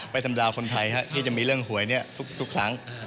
ไปทำดาวคนไทยครับที่จะมีเรื่องหวยเนี่ยทุกครั้ง